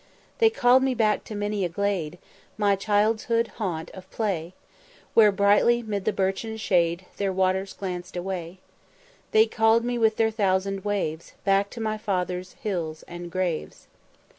They call'd me back to many a glade, My childhood's haunt of play, Where brightly 'mid the birchen shade Their waters glanced away: They call'd me with their thousand waves Back to my fathers' hills and graves."